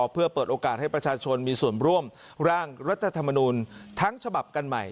เพื่อเปิดโอกาสให้ประชาชนมีส่วนร่วมร่างรัฐธรรมนูลทั้งฉบับกันใหม่